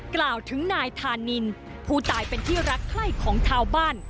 กล่าวถึงนายธานินผู้ตายเป็นที่รักไข้ของชาวบ้าน